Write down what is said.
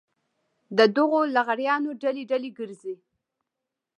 د دغو لغړیانو ډلې ډلې ګرځي.